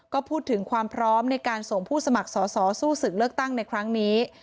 ก็พูดถึงความพร้อมในการส่งผู้สมัครสอสอสู้ศึกเลือกตั้งในครั้งนี้